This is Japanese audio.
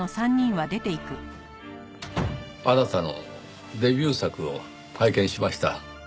あなたのデビュー作を拝見しました。